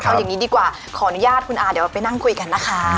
เอาอย่างนี้ดีกว่าขออนุญาตคุณอาเดี๋ยวเราไปนั่งคุยกันนะคะ